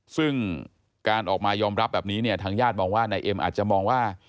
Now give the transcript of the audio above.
ซึ่งการออกมายอมรับแบบนี้เนี่ยทางญาติมองว่านายเอ็มอาจจะมองว่า